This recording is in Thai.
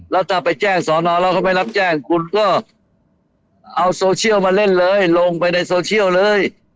แล้วถ้าไปแจ้งสอนอแล้วเขาไม่รับแจ้งคุณก็เอาโซเชียลมาเล่นเลยลงไปในโซเชียลเลย